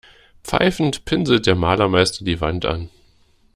Pfeifend pinselt der Malermeister die Wand an.